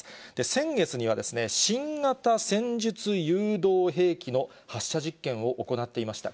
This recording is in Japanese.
先月には、新型戦術誘導兵器の発射実験を行っていました。